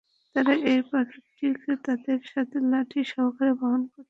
তারা এই পাথরটিকে তাদের সাথে লাঠি সহকারে বহন করত।